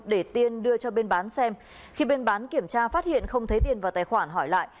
để tiên đưa cho bên bán xem khi bên bán kiểm tra phát hiện không thấy tiền vào tài khoản hỏi lại